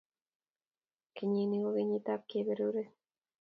Kenyini ko kenyitab kaberure